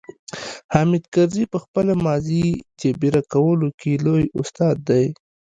حامد کرزي په خپله ماضي جبيره کولو کې لوی استاد دی.